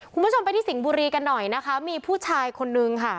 คุณผู้ชมไปที่สิงห์บุรีกันหน่อยนะคะมีผู้ชายคนนึงค่ะ